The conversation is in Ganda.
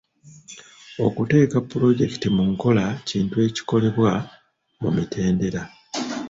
Okuteeka pulojekiti mu nkola kintu ekikolebwa mu mitendera.